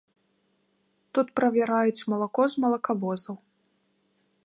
Тут правяраюць малако з малакавозаў.